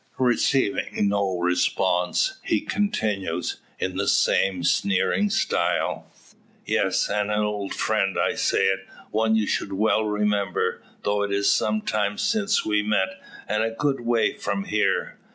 Receiving no response, he continues, in the same sneering style: "Yes, an old friend, I say it; one you should well remember, though it's some time since we met, and a good way from here.